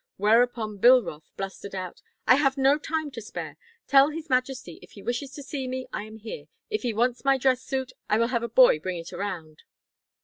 Whereupon Bilroth blustered out: 'I have no time to spare. Tell His Majesty if he wishes to see me, I am here. If he wants my dress suit, I will have a boy bring it around.'"